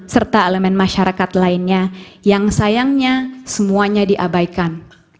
serta elemen masyarakat lainnya yang sayangnya semuanya diabaikan